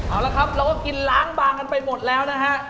เอาละครับเราก็กินล้างบางกันไปหมดแล้วนะฮะ